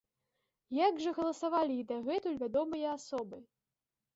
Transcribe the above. Як жа галасавалі і дагэтуль вядомыя асобы?